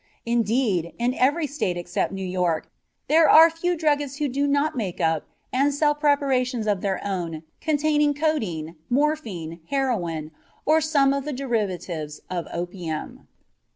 Indeed, in every State except New York there are few druggists who do not make up and sell preparations of their own containing codeine, morphine, heroin, or some of the derivatives of opium.